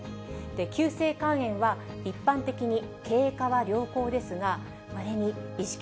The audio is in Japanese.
急性肝炎は、一般的に経過は良好ですが、まれに意識